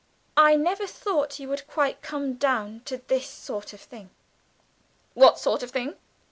I never thought you would quite come down to this sort of thing!" "What sort of thing?"